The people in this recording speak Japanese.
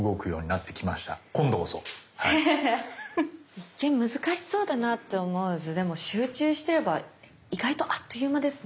一見難しそうだなって思う図でも集中してれば意外とあっという間ですね。ね。